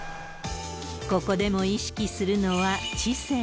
ここでも意識するのは知性。